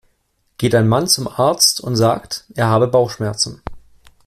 Geht ein Mann zum Arzt und sagt, er habe Bauchschmerzen.